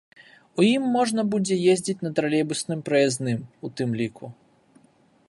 У ім можна будзе ездзіць на тралейбусным праязным у тым ліку.